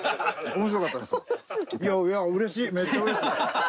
面白い。